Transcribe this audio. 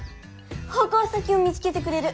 奉公先を見つけてくれる。